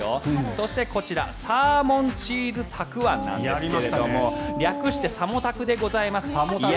そして、こちらサーモンチーズ×タクアンですが略してサモタクでございます。